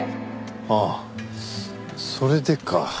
ああそれでか。